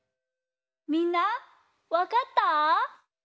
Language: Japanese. みんなわかった？